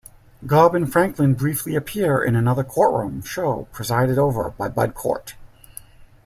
Gob and Franklin briefly appear in another courtroom show presided over by Bud Cort.